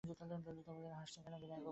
ললিতা কহিল, হাসছেন কেন বিনয়বাবু।